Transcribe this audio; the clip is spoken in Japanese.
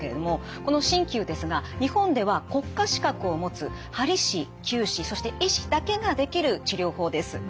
この鍼灸ですが日本では国家資格を持つはり師きゅう師そして医師だけができる治療法です。